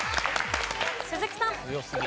鈴木さん。